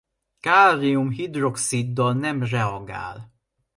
Kálium-hidroxiddal nem reagál.